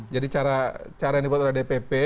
jadi cara yang dibuat oleh dpp